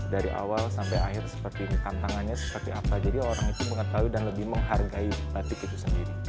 dari awal sampai akhir seperti ini tantangannya seperti apa jadi orang itu mengetahui dan lebih menghargai batik itu sendiri